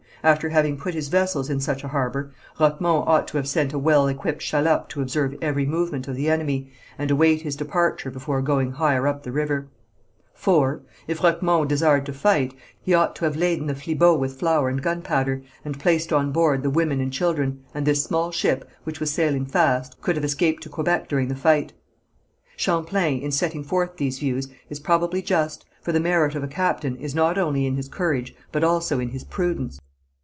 After having put his vessels in such a harbour, Roquemont ought to have sent a well equipped shallop to observe every movement of the enemy, and await his departure before going higher up the river. (4.) If Roquemont desired to fight, he ought to have laden the Flibot with flour and gunpowder, and placed on board the women and children, and this small ship, which was sailing fast, could have escaped to Quebec during the fight. Champlain, in setting forth these views, is probably just, for the merit of a captain is not only in his courage, but also in his prudence.